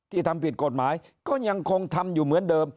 ทำผิดกฎหมายก็ยังคงทำอยู่เหมือนเดิม